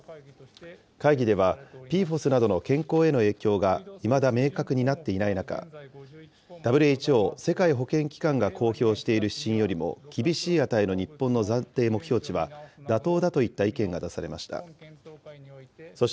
会議では、ＰＦＯＳなどの健康への影響がいまだ明確になっていない中、ＷＨＯ・世界保健機関が公表している指針よりも厳しい値の日本の暫定目標値は妥当だといった意見が出されました。